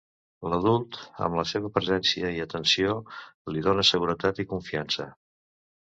L'adult, amb la seva presència i atenció, li dóna seguretat i confiança.